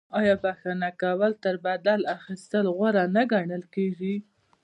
آیا بخښنه کول تر بدل اخیستلو غوره نه ګڼل کیږي؟